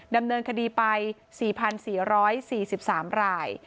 ดำเนินคดีไป๔๔๔๔๓ราย